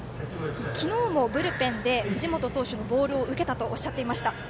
昨日もブルペンで藤本投手のボールを受けたとおっしゃいました。